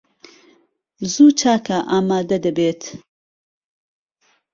زوو چاکە ئامادە دەبێت.